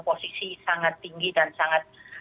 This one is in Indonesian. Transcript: posisi sangat tinggi dan sangat